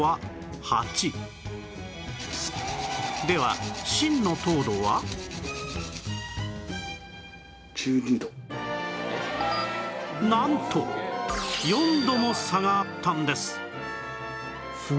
ではなんと４度も差があったんです！